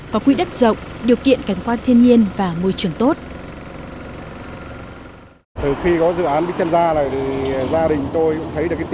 có quỹ đất rộng điều kiện cảnh quan thiên nhiên và môi trường tốt